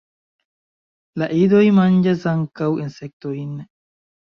La idoj manĝas ankaŭ insektojn.